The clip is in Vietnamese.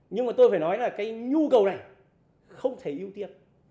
nhưng mà tôi phải nói là cái nhu cầu này không thể ưu tiên